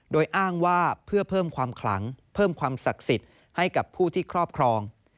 โดยอ้างว่าเพื่อเพิ่มความขลังเพิ่มความศักดิ์สิทธิ์ให้กับผู้ที่ครอบครอง